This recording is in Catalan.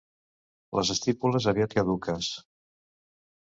Les estípules aviat caduques.